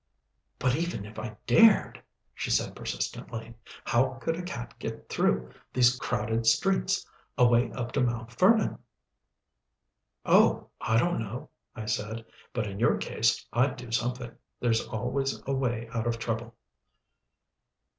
"But even if I dared," she said persistently, "how could a cat get through these crowded streets, away up to Mount Vernon?" "Oh! I don't know," I said, "but in your case, I'd do something. There's always a way out of trouble."